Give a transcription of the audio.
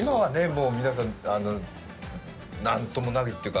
もう皆さん何ともないっていうか